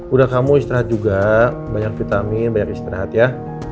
udah kamu istirahat juga banyak vitamin banyak istirahat ya